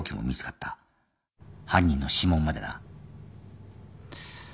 犯人の指紋までな。